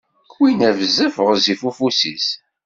Winna, bezzaf ɣezzif ufus-is.